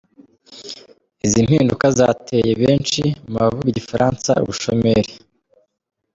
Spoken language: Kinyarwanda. Izi mpinduka zateye benshi mu bavuga igifaransa ubushomeri.